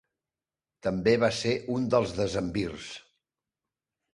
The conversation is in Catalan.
També va ser un dels decemvirs.